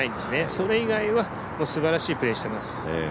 それ以外はすばらしいプレーしています。